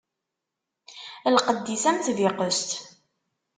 Lqedd-is am tbiqest.